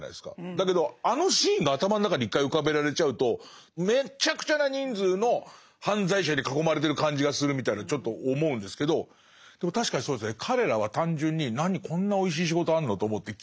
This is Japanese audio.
だけどあのシーンが頭の中に一回浮かべられちゃうとめちゃくちゃな人数の犯罪者に囲まれてる感じがするみたいなのちょっと思うんですけどでも確かにそうですね。